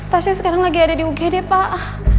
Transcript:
tasnya sekarang lagi ada di ugd pak